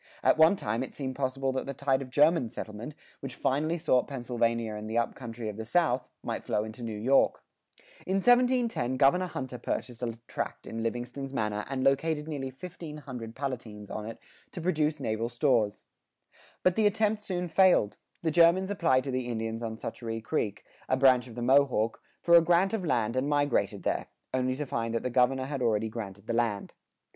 At one time it seemed possible that the tide of German settlement, which finally sought Pennsylvania and the up country of the South, might flow into New York. In 1710, Governor Hunter purchased a tract in Livingston's manor and located nearly fifteen hundred Palatines on it to produce naval stores.[82:1] But the attempt soon failed; the Germans applied to the Indians on Schoharie Creek, a branch of the Mohawk, for a grant of land and migrated there, only to find that the governor had already granted the land.